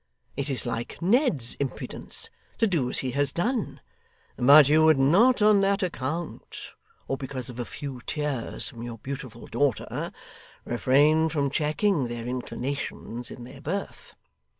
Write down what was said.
It is like Ned's impudence to do as he has done; but you would not on that account, or because of a few tears from your beautiful daughter, refrain from checking their inclinations in their birth.